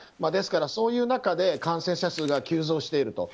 ですから、そういう中で感染者数が急増している。